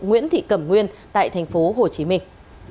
nguyễn thị cẩm nguyên tại thành phố hồ chí minh